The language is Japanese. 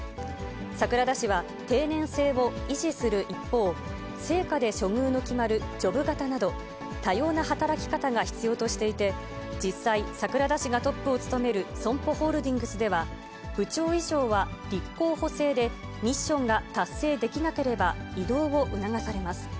櫻田氏は定年制を維持する一方、成果で処遇の決まるジョブ型など、多様な働き方が必要としていて、実際、櫻田氏がトップを務めるソンポホールディングスでは、部長以上は立候補制で、ミッションが達成できなければ異動を促されます。